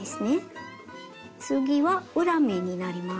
次は裏目になります。